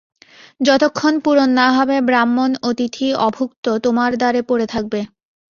যতক্ষণ পূরণ না হবে, ব্রাহ্মণ অতিথি অভুক্ত তোমার দ্বারে পড়ে থাকবে।